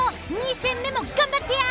２戦目も頑張ってや！